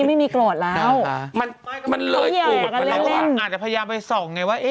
มันก็พยายามไปส่องใช่ไหมวะ